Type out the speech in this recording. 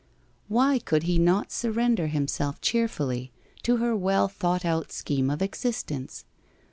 Why could he not sur render himself cheerfully to her well thought out scheme of existence?